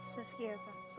saskithat ya pak